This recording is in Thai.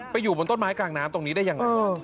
อยู่บนต้นไม้กลางน้ำตรงนี้ได้ยังไง